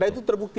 nah itu terbukti